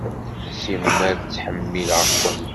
Simmal ttḥemmileɣ-kent.